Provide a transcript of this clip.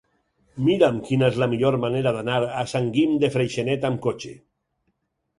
Mira'm quina és la millor manera d'anar a Sant Guim de Freixenet amb cotxe.